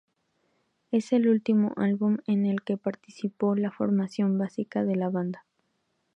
Es el último álbum en el que participó la formación clásica de la banda.